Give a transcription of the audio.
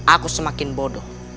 aku semakin bodoh